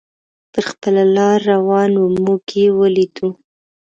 پر خپله لار روان و، موږ یې ولیدو.